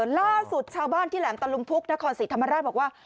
ล่าสุดชาวบ้านที่แหลมตะลุมพุกนครศรีธรรมราชบอกว่า